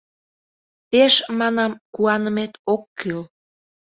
Пеш, манам, куанымет ок кӱл.